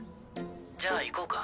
じゃあ行こうか。